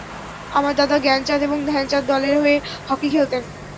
আমার দাদা জ্ঞানচাঁদ এবং ধ্যানচাঁদ দলের হয়ে হকি খেলতেন।